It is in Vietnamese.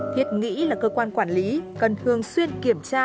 thiết nghĩ là cơ quan quản lý cần thường xuyên kiểm tra